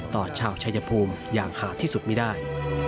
ต่อชาวชายภูมิอย่างหาดที่สุดไม่ได้